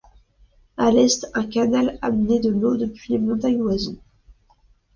À l'est, un canal amenait de l'eau depuis les montagnes voisines.